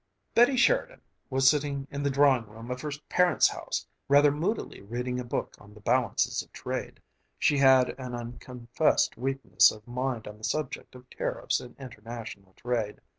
Betty Sheridan was sitting in the drawing room of her parents' house, rather moodily reading a book on the Balance of Trade. She had an unconfessed weakness of mind on the subject of tariffs and international trade.